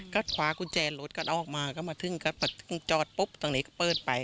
ก็ขวากุญแจรถกันออกมาก็มาทึ่งกันปะทึ่งจอดปุ๊บตรงนี้ก็เปิดไป